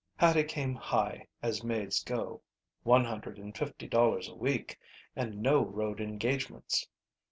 Hattie came high, as maids go. One hundred and fifty dollars a week and no road engagements.